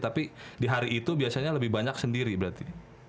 tapi di hari itu biasanya lebih banyak sendiri berarti